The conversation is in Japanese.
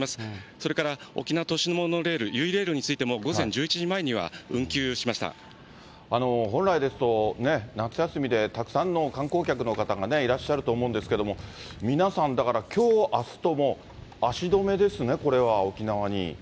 それから沖縄都市モノレール、ゆいレールについても、午前本来ですとね、夏休みでたくさんの観光客の方がいらっしゃると思うんですけれども、皆さん、だから、きょう、あすと、もう足止めですね、これは、沖縄に。